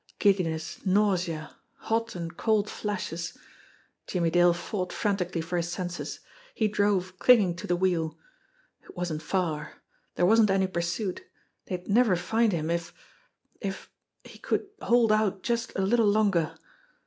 Giddiness, nausea, hot and cold flashes! Jimmie Dale fought frantically for his senses. He drove clinging to the wheel. It wasn't far. There wasn't any pursuit; they'd never find him if if he could hold out just a little longer.